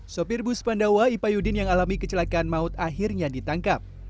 sopir bus pandawa ipa yudin yang alami kecelakaan maut akhirnya ditangkap